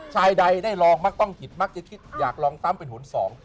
ชายใดได้ลองมักต้องคิดมักจะคิดอยากลองซ้ำเป็นหนสอง